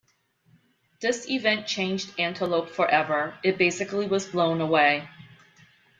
This event changed Antelope forever - it basically was blown away.